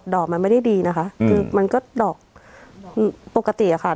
อกมันไม่ได้ดีนะคะคือมันก็ดอกปกติอะค่ะ